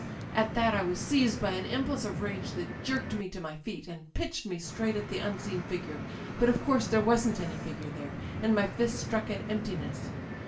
'^At that I was seized by an impulse of rage that jerked me to my feet and pitched me straight at the unseen figure. But of course there wasn't any figure there, and my fists struck at emptiness.